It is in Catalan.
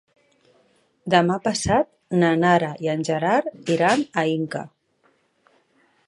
Demà passat na Nara i en Gerard iran a Inca.